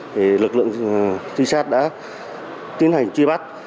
thì lực lượng xác đã tiến hành truy bắt